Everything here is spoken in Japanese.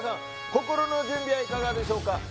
心の準備はいかがでしょうか？